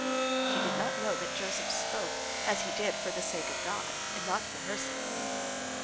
She did not know that Joseph spoke as he did for the sake of God, and not for her sake.